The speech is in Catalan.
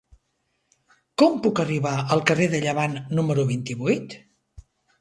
Com puc arribar al carrer de Llevant número vint-i-vuit?